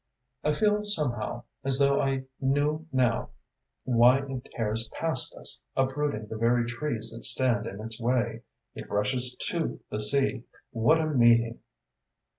I feel, somehow, as though I knew now why it tears past us, uprooting the very trees that stand in its way. It rushes to the sea. What a meeting!"